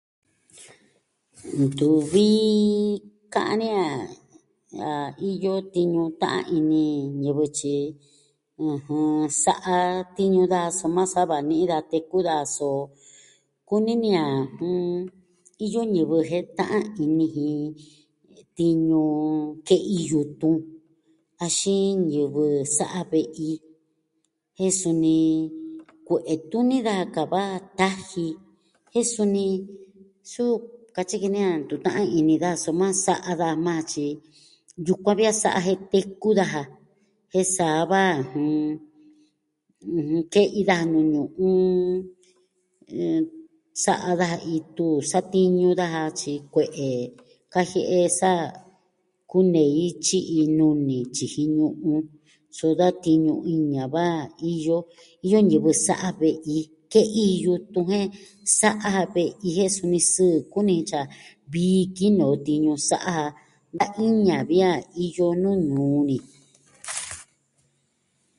Ntuvi ka'an ni a iyo tiñu ta'an in ñivɨ, tyi, ɨjɨn, sa'a tiñu daja, soma sa va ni'i da teku daja, so kuni ni a, jɨn, iyo ñivɨ jen ta'an ini jin tiñu ke'i yutun, axin ñivɨ sa'a ve'i, jen suni kue'e tuni daja ka va taji, jen suni, suu katyi ki ni a ntu ta'an ini daja, soma sa'a daja majan, tyi yukuan vi a sa'a jen teku daja, jen sa va, jɨn, ɨjɨn ke'i daja nuu ñu'un. Sa'a daja itu. Satiñu daja tyi kue'e kajie'e sa kunei tyi iin nuu ni tyiji ñu'un. So da tiñu iña va iyo. Iyo ñivɨ sa'a ve'i, ke'i yutun, jen sa'a ja ve'i jen suni sɨɨ kuni tyi a vii kinoo tiñu sa'a ja. Da iña vi a iyo nuu ñuu ni.